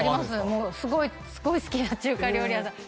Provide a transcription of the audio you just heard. もうすごい好きな中華料理屋さん